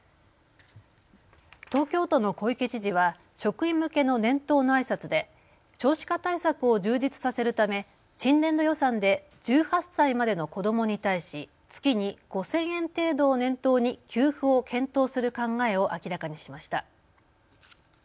東京都の小池知事は職員向けの年頭のあいさつで少子化対策を充実させるため新年度予算で１８歳までの子どもに対し、月に５０００円程度を念頭に給付を検討する考えを明らかにしました。